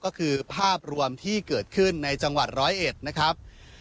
ก็คือภาพรวมที่เกิดขึ้นในจังหวัดร้อยเอ็ดนะครับ